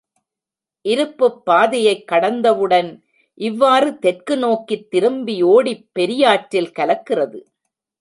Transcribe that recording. இருப்புப் பாதையைக் கடந்தவுடன் இவ்வாறு தெற்கு நோக்கித் திரும்பியோடிப் பெரியாற்றில் கலக்கிறது.